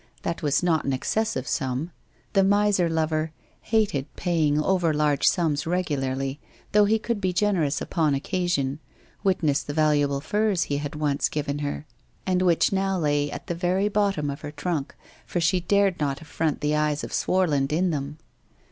That was not an excessive sum. The miser lover hated paying over large sums regularly, though he could be generous upon occasion, witness the valuable furs he had once given her and which 362 WHITE ROSE OF WEARY LEAF now lay at the very bottom of her trunk, for she dared not affront the eyes of Swarland in them.